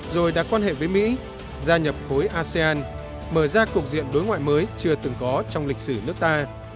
rồi đã quan hệ với mỹ gia nhập khối asean mở ra cục diện đối ngoại mới chưa từng có trong lịch sử nước ta